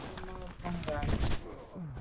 Á ma’ mbwe ngabnyàm.